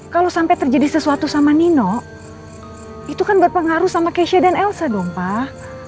kalau sampai terjadi sesuatu sama nino itu kan berpengaruh sama keisha dan elsa dong pak